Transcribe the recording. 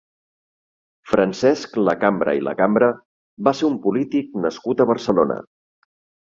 Francesc Lacambra i Lacambra va ser un polític nascut a Barcelona.